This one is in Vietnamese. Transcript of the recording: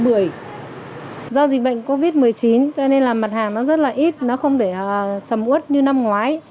do dịch bệnh covid một mươi chín cho nên là mặt hàng nó rất là ít nó không để sầm út như năm ngoái